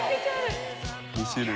２種類？